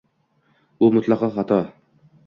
Bu mutlaqo xato